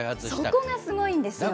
そこがすごいんですよ。